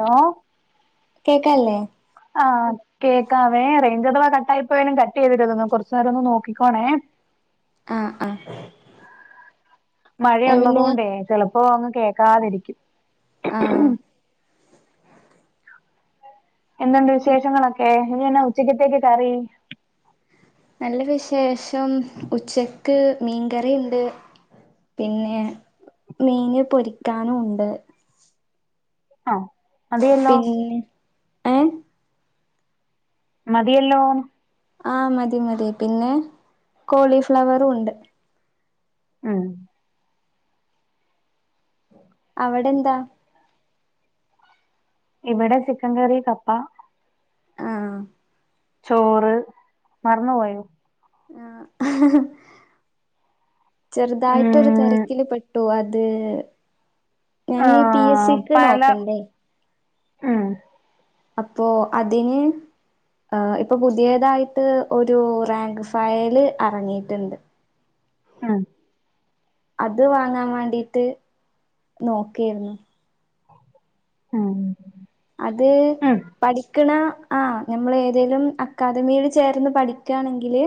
Law കേക്കല്ലേ ആഹ്‌ കേക്കാവേ റേഞ്ച് അഥവാ കട്ടയിപ്പോയാലും കട്ടയ്ത്ട്ന്നു കുറച്ച് നേരം ഒന്ന് നോക്കിക്കോണേ ആഹ്‌ ആഹ് മഴയള്ളത് പിന്നെ കൊണ്ട് ചിലപ്പോ അങ്ങ് കേക്കാതിരിക്കും. ആഹ് എന്തുണ്ട് വിശേഷങ്ങളൊക്കെ ഇനി എന്ന ഉച്ചക്കത്തേക്ക് കറി? നല്ല വിശേഷം ഉച്ചക്ക് മീൻകറിണ്ട്. പിന്നെ മീന് പൊരിക്കാനുണ്ട്. ആഹാ പിന്നെ. ഏഹ് മതിയല്ലോ ആ മതി മതി പിന്നെ കോളിഫ്ലവറും ണ്ട്. ഉമ് അവടെ എന്താ? ഇവടെ ചിക്കൻ കറി കപ്പ. ആഹാ ചോറ് മറന്നുപോയോ? ആ ഹാ ചെറുതായിട്ടൊരു ഉം തെരക്കില് പെ ട്ടു അത് ഞാനീ പി എസ് ആഹാ സിക്ക് പല നോക്കണ്ടേ ഉം അപ്പൊ അതിന് ഹാ ഇപ്പൊ പുതിയതായിട്ട് ഒരു റാങ്ക് ഫയല് എറങ്ങിയിട്ടുണ്ട്. മ്മ് അത് വാങ്ങാൻ വാണ്ടിട്ട് നോക്കേരുന്നു. മ്മ് അത്. പഠിക്കണ ആ ഞമ്മള് ഏതേലും അക്കാദമിയിൽ ചേർന്ന് പഠിക്കാണെങ്കില്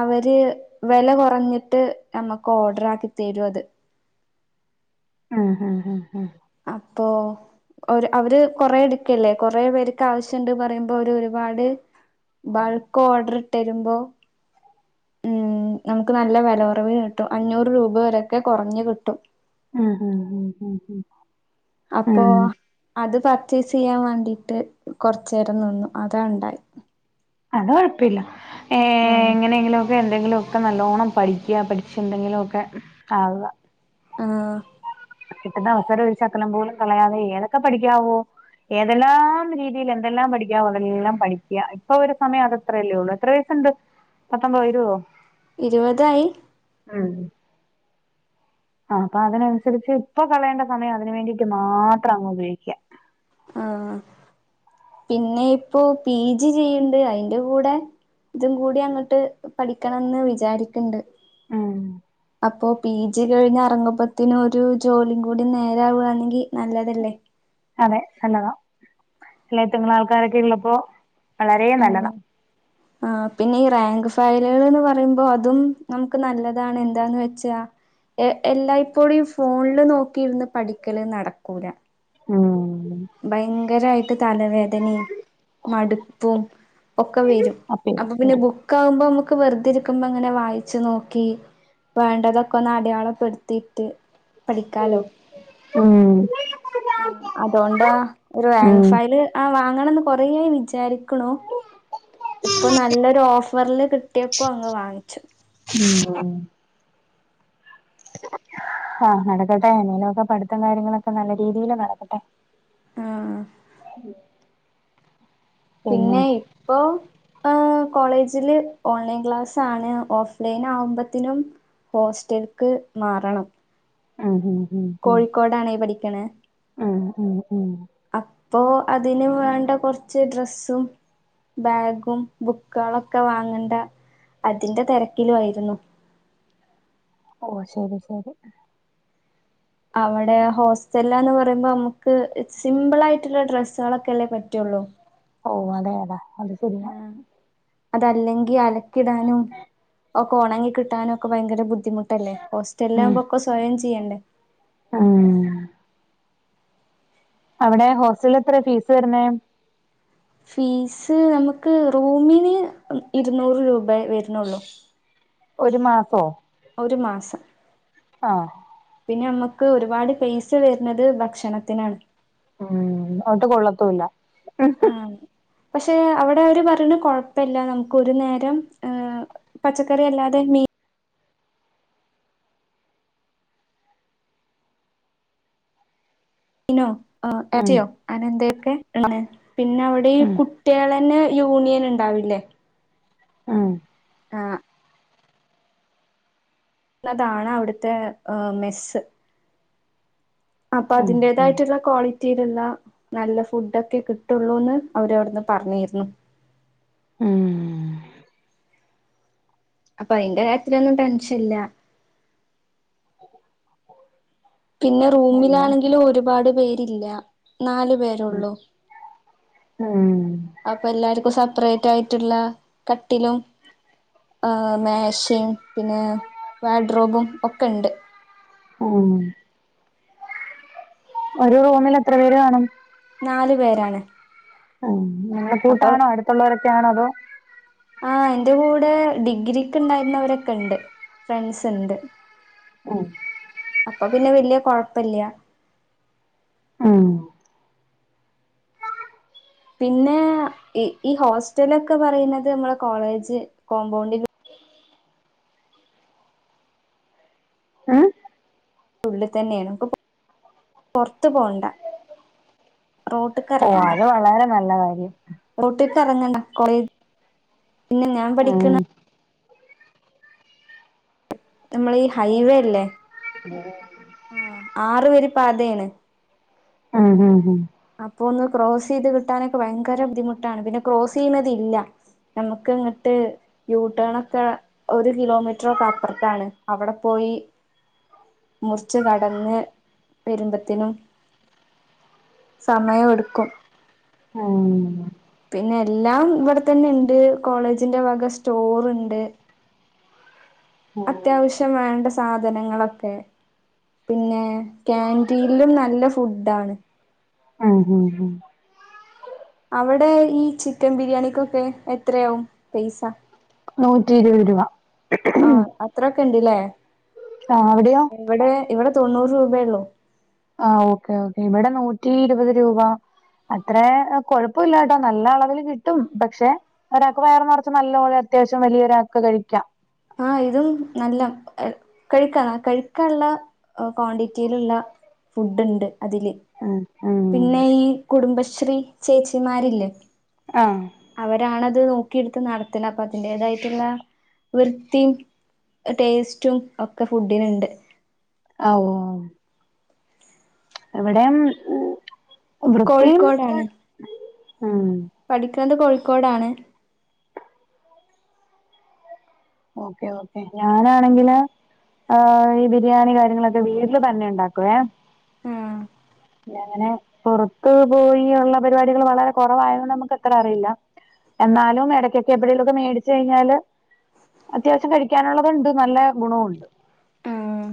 അവര് വെല കൊറഞ്ഞിട്ട് ഞമ്മക്ക് ഓർഡർ ആക്കി തരും അത്. ഹാ ഹ ഹ ഹാ ഹാ അപ്പൊ. ഒര് അവര് കൊറെ എടുക്കല്ലേ കൊറെ പേർക്ക് ആവശ്യണ്ട് പറയുമ്പോ അവര് ഒരുപാട് ബൾക്ക് ഓർഡർ ട്ട് രുമ്പോ ഉം നമുക്ക് നല്ല വിലുകൊറവില് കിട്ടും അഞ്ഞൂറ് രൂപ വരൊക്കെ കൊറഞ്ഞ് കിട്ടും ഉം ഉ ഉം ഉ് ഉ് ഉ അപ്പോ അത് പർച്ചേയസ് ചെയ്യാൻ വേണ്ടീട്ട് കൊറചേരം നിന്നു അതാ ണ്ടായി അത് കൊഴപ്പില്ല ഏ ആഹ് എങ്ങനെങ്കിലും എന്തെങ്കിലൊക്കെ നല്ലോണ്ണം പഠിക്യാ പഠിച്ച് എന്തെങ്കിലു ഒക്കെ ആവാ ആഹാ കിട്ടുന്ന അവസരം ഒരു ശകലം പോലും കളയാതെ ഏതൊക്കെ പഠിക്കാവോ ഏതെല്ലാം രീതിയിൽ എന്തെല്ലാം പഠിക്കാവോ അതെല്ലാം പഠിക്യാ ഇപ്പൊ ഒരു സമയം അത് അത്രയല്ലേ ഉള്ളൂ എത്ര വയസ്ണ്ട് പത്തമ്പതോ ഇരുപതോ ഇരുപതായി ഉം ആ അപ്പൊ അതിനനുസരിച്ച് ഇപ്പൊ കളയേണ്ട സമയം അതിന് വേണ്ടിയിട്ട് മാത്രം അങ്ങ് ഉപയോഗിക്കുക ആഹ പിന്നെ ഇപ്പോ പീജി ചെയ്യണ്ട് അയിന്റെ കൂടെ ഇതും കൂടി അങ്ങട്ട് പഠിക്കണംന്ന് വിചാരിക്ക്ണ്ട് ഉം അപ്പോ പീജി കഴിഞ്ഞ് എറങ്ങപ്പത്തിനും ഒരു ജോലിം കൂടി നേരാവാണെങ്കി നല്ലതല്ലേ. അതെ നല്ലതാ ഇളെത്തിങ്ങങ്ങളും ആൾക്കാരൊക്കെയിള്ളപ്പോ വളരേ നല്ലതാ. [inaudible] ആ പിന്നെ ഈ റാങ്ക് ഫയല്കള്ന്ന് പറയുമ്പോ അതും നമുക്ക് നല്ലതാണ് എന്താന്ന് വെച്ചാ എ എല്ലായ്പ്പോഴും ഈ ഫോണിൽ നോക്കിയിരുന്ന് പഠിക്കല് നടക്കൂല. ഉം ഭയങ്കരായിട്ട് തലവേദനിം മടുപ്പും ഒക്കെ വെരും അപ്പ ഇതാ അപ്പൊ പിന്നെ വരും ബുക്കാവുമ്പോ മ്മക്ക് വെറുതെരിക്കുമ്പോ ങ്ങനെ വായിച്ചു നോക്കി നോക്കി വേണ്ടതൊക്കൊന്ന് അടയാളപ്പെട്ത്തിട്ട് ഉം. ആ അതോണ്ടാ ഒരു റാങ്ക് ഉം ഫയല് ആ വാങ്ങണംന്ന് കൊറേ ആയി വിചാരി ക്ക്ണൂ ഇപ്പൊ നല്ലൊരു ഓഫർൽ കിട്ടിയപ്പോ അങ്ങ് വാങ്ങിച്ചു. മ് ആഹ് നടക്കട്ടെ എന്തേലുക്കെ പഠിത്തം കാര്യങ്ങളൊക്കെ നല്ല രീതീൽ നടക്കട്ടെ. ആ മ് പിന്നെയ് ഇപ്പോ പ്പോ കോളേജിൽ ഓൺലൈൻ ക്ലാസാണ് ഓഫ്ലൈന് ആവുമ്പോതിനും ഹോസ്റ്റൽക്ക് മാറണം ആ മ് മ് കോഴിക്കോടാണേ പഠിക്ക്ണ് ആ അ അ അപ്പോ അതിന് വേണ്ട കൊറച്ച് ഡ്രസ്സും ബാഗും ബുക്കാളൊക്കെ വാങ്ങണ്ടെ അതിന്റെ തിരക്കിൽ ആയിരുന്നു ഓ ശരി ശരി. അവിടേ ഹോസ്റ്റലാന്ന് പറിയുമ്പോ നമ്മുക്ക് സിംമ്പിൾ ആയിട്ടുള്ള ഡ്രസ്സുകളൊക്കെല്ലേ പറ്റുള്ളൂ ഓ അതെ അതെ അത് പിന്നെ ആഹ് അതല്ലെങ്കി അലക്കിടാനും ഒക്കെ ഉണങ്ങി കിട്ടാനും ഒക്കെ ഭയങ്കര ബുദ്ധിമുട്ട് ട്ടല്ലേ ഹോസ്റ്റലിൽ ലാവുമ്പോക്കെ സ്വയം ചെയ്യേണ്ടേ ആഹ് അവിടേ ഹോസ്റ്റലിൽ എത്രാ ഫീസ് വരുന്നേ ഫീസ് നമ്മക്ക് റൂമിന് ഇരുന്നൂറ് രൂപേ വരുന്നൊള്ളു ഒരു മാസോ ഒരു മാസം. ആ പിന്നെ നമ്മക്ക് ഒരുപാട് പൈസ വരുന്നത് ഭക്ഷണത്തിനാണ്. ഉം അത് കൊള്ളത്തുല്ല. ആഹ് പക്ഷെ അവിടെ അവര് പറിണ് കൊഴപ്പല്ല നമ്മുക്ക് ഒരു നേരം ഏഹ് പച്ചക്കറി അല്ലാതെ മീൻ മീനോ ഏഹ് എർച്ചിയോ അനന്തൊലെക്കെ ആണ് പിന്നെ അവിടെ ഈ ഉം കുട്ടിയാളന്നെ. യൂണിയൻ ഇണ്ടാവില്ലേ. ആ ആ എന്നതാണ് അവിടുത്തെ ഏഹ് മെസ്സ്. അപ്പൊ ഉം അതിന്റേതായിട്ടുള്ള. ക്വാളിറ്റിയിലുള്ള നല്ല ഫുഡ് ഒക്കെ കിട്ടുള്ളൂന്ന് അവര് അവിടുന്ന് പറഞ്ഞിരുന്നു. മ് അപ്പൊ അയിന്റെ കാര്യത്തിലൊന്നും ടെൻഷൻ ഇല്ല. പിന്നെ അല്ല റൂമിലാണെങ്കിലും ഒരു പാട് പേരില്ല നാലു പേർ ഉം ഉള്ളൂ. എല്ലാം ഉം അപ്പേ എല്ലാർക്കും സെപ്പറേറ്റ് ആയിട്ടുള്ള കട്ടിലും. ഏഹ് മേശയും പിന്നെ വാഡ്രോബും ഒക്കെ ഇണ്ട്. ഹ്മ് ഒരു റൂമിൽ എത്ര പേര് കാണും നാലു പേരാണ്. ഉം നല്ല അപ്പൊ കൂട്ടാണോ അടുത്തുള്ളോരൊക്കെയാണോ അതോ. ആഹ് എന്റെ കൂടെ ഡിഗ്രിക്ക് ഉണ്ടായിരുന്നവരൊക്കെ ഇണ്ട് ഫ്രണ്ട്സ് ണ്ട്. അ അപ്പൊ പിന്നെ വല്യ കൊഴപ്പല്ല്യ. ആഹ് പിന്നെ ഇ ഈ ഹോസ്റ്റലൊക്കെ പറയുന്നത് നമ്മളെ കോളേജ് കോമ്പൗണ്ടിൻ്റെ ഉം ഉുള്ളി തന്നേണ് പ്പൊ പൊർത്ത് പോണ്ട റോ ഓ അത് വളരെ നല്ല കാര്യം. റോട്ട്ക്ക് എറങ്ങണ്ട കൊറെ പിന്നെ ഞാൻ ഉം പഠിക്ക്ണ നമ്മള ഈ ഹൈവേ ല്ലേ? ഉം. ആ ആറു വരി പാതേണ്. ഹ്മ് ഹ്മ് ഹ്. അപ്പൊ ഒന്ന് ക്രോസയ്ത് കിട്ടാനൊക്കെ ഭയങ്കര ബുദ്ധിമുട്ടാണ് പിന്നെ ക്രോസയ്യുണതില്ല. നമുക്കങ്ങട്ട്. യൂട്ടേൺ ഒക്കെ ഒരു കിലോമീറ്ററൊക്കെ അപ്പൊർത്താണ് അവിടെ പോയി. മുറിച്ച് കടന്ന് വെരുമ്പത്തിനും. സമയ എടുക്കും. ആഹ്. പിന്നെ എല്ലാം ഇവിടെ തന്നെ ഇണ്ട് കോളേജിന്റെ വക സ്റ്റോർ ഇണ്ട്. ഉം അത്യാവശ്യം വേണ്ട സാധനങ്ങളൊക്കെ. പിന്നെ കേന്റീൻലും നല്ല ഫുഡാണ്. ഉം ഹ്മ് ഹ്. അവിടെ ഈ ചിക്കൻ ബിരിയാണിക്കൊക്കെ എത്രയാവും പൈസ? നൂറ്റി ഇരുവഹ് രൂപ ആഹ് അത്രൊക്കെ ഉണ്ട്ല്ലേ ആ അവിടെയോ? ഇവിടെ ഇവിടെ തൊണ്ണൂറ് രൂപെയുള്ളൂ. ആ ഓക്കേ ഓക്കെ ഇവിടെ നൂറ്റി ഇരുപത് രൂപ. അത്രേ ഏഹ് കൊഴപ്പല്ല ട്ടോ നല്ല അളവിൽ കിട്ടും പക്ഷെ. ഒരാക്ക് വയർ നെറച്ച് നല്ലപോലെ അത്യാവ്ശ്യം വലിയ ഒരാക്ക് കഴിക്കാം. ആഹ് ഇതും നല്ല കഴിക്കണ കഴിക്കാനുള്ള ക്വാണ്ടിറ്റിയിലുള്ള ഫുഡ് ഉണ്ട് അതില് ഉം ഉം പിന്നെ ഈ കുടുംബശ്രീ ചേച്ചിമാരില്ലേ ആഹ് അവരാണത് നോക്കിയെടുത്ത് നടത്തണ അപ്പൊ അതിന്റെതായിട്ടുള്ള വൃത്തിയും ടേസ്റ്റും ഒക്കെ ഫുഡിനുണ്ട് ആഹ് ഓഹ് ഇവിടേം വൃത്തിയും കോഴിക്കോടാണ് ആഹ് പഠിക്കണത് കോഴിക്കോടാണ് ഓക്കെ ഓക്കെ ഞാനാണെങ്കില് ആഹ് ഈ ബിരിയാണി കാര്യങ്ങളൊക്കെ വീട്ടില് തന്നെ ഉണ്ടാക്കുവേ ആഹ് അങ്ങനെ പുറത്തു പോയി ഉള്ള പരിപാടികൾ വളരെ കുറവായോണ്ട് നമുക്കത്ര അറിയില്ല എന്നാലും ഇടക്കൊക്കെ എപ്പോളെലോക്കെ മേടിച്ചു കഴിഞ്ഞാല് അത്യാവശ്യം കഴിക്കാനുള്ളതുണ്ട് നല്ല ഗുണണ്ട് ആഹ്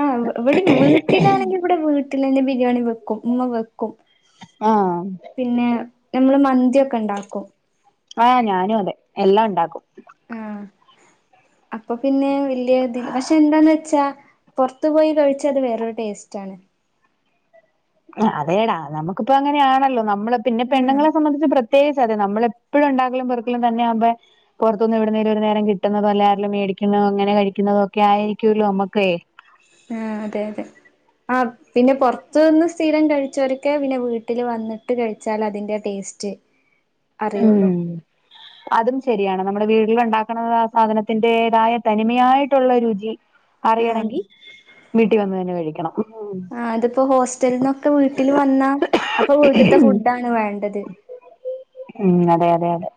ഉം ഇവിടെ വീട്ടിലാണെങ്കി ഇവിടെ വീട്ടിലെന്നെ ബിരിയാണി വെക്കും ഉമ്മ വെക്കും ആഹ് പിന്നെ നമ്മള് മന്തിയൊക്കെ ഉണ്ടാക്കും ആഹ് ഞാനും അതെ എല്ലാം ഉണ്ടാക്കും ആഹ് അപ്പൊ പിന്നെ വല്യ തി പക്ഷെ എന്താന്നച്ചാ പുറത്തു പോയി കഴിച്ചാത് വേറൊരു ടേസ്റ്റാണ് അതേടാ നമുക്കിപ്പൊ അങ്ങനെയാണല്ലോ നമ്മള് പിന്നെ ആഹ് പെണ്ണുങ്ങളെ സംബന്ധിച്ച് പ്ര പ്രത്യേകിച്ച് അതെ നമ്മളെപ്പോഴും ഉണ്ടാക്കലും പെറുക്കലും തന്നെ ആകുമ്പോ പുറത്തുന്ന് ഇവിടുന്നേലും ഒരു നേരം കിട്ടുന്നതോ അല്ല ആരേലും മേടിക്കുന്നതോ അങ്ങനെ കഴിക്കുന്നതോ ഒക്കെയിരിക്കൂലോ നമ്മുക്കേ ആഹ് അതെ അതെ അഹ് പിന്നെ പുറത്തു നിന്ന് സ്ഥിരം കഴിച്ചവരക്കെ പിന്നെ വീട്ടിൽ വന്നിട്ട് കഴിച്ചാൽ അതിന്റെ ടേസ്റ്റ് അറിയുള്ളൂ ഉം [inaudible] അതും ശരിയാണ് നമ്മുടെ വീട്ടില ഉണ്ടാക്കണ ആ സാധനത്തിന്റേതായ തനിമയായിട്ടുള്ള രുചി ആഹ് അറിയണെങ്കി വീട്ടിൽ വന്നു തന്നെ കഴിക്കണം ഉം ആഹ് അതിപ്പോ ഹോസ്റ്റൽന്നൊക്കെ വീട്ടിൽ വന്നാ അപ്പൊ വീട്ടത്തെ ഫുഡാണ് വേണ്ടത് ഉം അതെ അതെ അതെ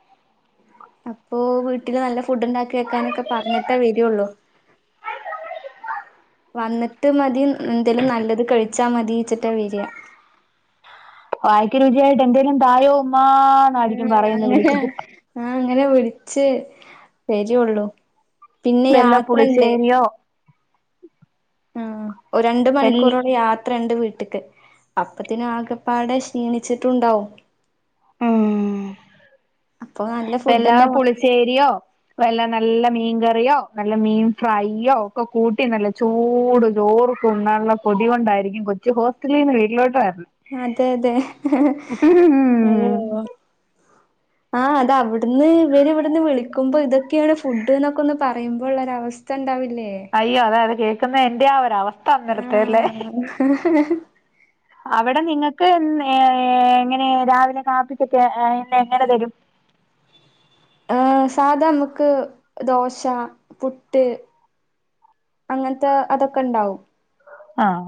അപ്പൊ വീട്ടില് നല്ല ഫുഡുണ്ടാക്കി വെക്കാനൊക്കെ പറഞ്ഞിട്ടേ വരുള്ളൂ വന്നിട്ട് മതി ന്തേലും നല്ലത് കഴിച്ചാ മതിച്ചിട്ടാ വരാ വായക്ക് രുചിയായിട്ട് എന്തേലും തായോ ഉമ്മാന്നായിരിക്കും ആഹ് പറയുന്നെ അങ്ങനെ വിളിച്ചിട്ട് ആഹ് അങ്ങനെ വിളിച്ച് വരുള്ളൂ പിന്നെ വല്ല യാത്ര ഇണ്ട് പുളിശ്ശേരിയോ ഉം ഒരു രണ്ട് വൽ മണിക്കൂറ് ഒരു യാത്രണ്ട് വീട്ട്ക്ക് അപ്പത്തിനു ആകെപ്പാടെ ക്ഷീണിച്ചിട്ടുണ്ടാവും അപ്പൊ നല്ല എല്ലാ ഫുഡന്നെ വാണം പുളിസ്സെരിയോ വല്ല നല്ല മീൻകറിയോ നല്ല മീൻ ഫ്രൈയോ ഒക്കെ കൂട്ടി നല്ല ചൂട് ചോറ് ചുമ്മാല്ലാ കൊതി കൊണ്ടായിരിക്കും കൊച്ചു ഹോസ്റ്റലിന്ന് വീട്ടിലോട്ട് വര അതെ അതെ അയ്യോഹ് ആഹ് അതവിടുന്ന് ഇവര് ഇവിടുന്ന് വിളിക്കുമ്പോ ഇതൊക്കെയാണ് ഫുഡ് എന്നൊക്കെ ഒന്ന് പറയുമ്പോള്ളൊരവസ് [unintelligible] അയ്യോ അതോ അത് കേൾക്കുന്ന എന്റെറെ ആ ഒരു അവസ്ഥ ഇന്നലെതെയല്ലേ [inaudible] അവിടെ നിങ്ങക്ക് ന്നെഹ് എങ്ങനെ രാവിലെ കാപ്പിക്കൊക്കെ എ എങ്ങനെ തരും ആഹ് സാധാ മ്മക്ക് ദോശ പുട്ട്, അങ്ങനത്തെ അതൊക്കെ ഉണ്ടാവും ആഹ്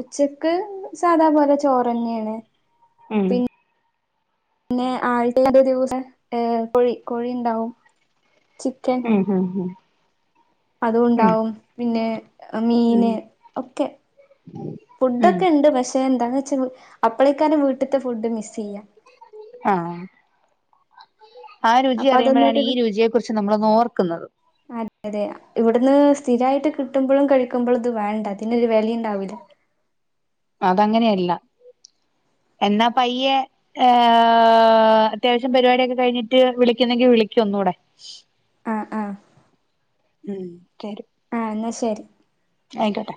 ഉച്ചക്ക് സാധാപോലെ ചോറ്ന്നെയാണ് ഉം പി പിന്നെ ആഴ്ച ദിവസ ഏഹ് കോഴി കോഴി ഉണ്ടാവും ചിക്കെൻ ഉം ഉം അതും ഉം ഉണ്ടാവും പിന്നെ ഉം മീന് ഒക്കെ ഉം ഫുഡൊക്കെ ഉണ്ട് പക്ഷെ എന്താന്ന് വെച്ചാ അപ്പളക്കാരെ വീട്ടിലത്തെ ഫുഡ് മിസ് ചെയ്യാ ആ ആ രുചി അപ്പൊ അറിയുമ്പോഴാണ് അതൊന്നൊരു ഈ രുചിയെ കുറിച്ച് നമ്മൾന്ന് ഓർക്കുന്നത് അതെ അതെ ഇവിടുന്ന് സ്ഥിരമായിട്ട് കിട്ടുമ്പോഴും കഴിക്കുമ്പോഴും ഇത് വേണ്ട ഇതിനൊരു വെലെ ഇണ്ടാവില്ല അതങ്ങനെയല്ല എന്നാ പയ്യെ ഏഹ് അത്യാവശ്യം പരിപാടിയൊക്കെ കഴിഞ്ഞിട്ട് വിളിക്കുന്നെങ്കിൽ വിളിക്ക ഒന്നൂടെ ആഹ് ആഹ് ഉം ശരി ആ ഇന്നാ ശരി ആയിക്കോട്ടെ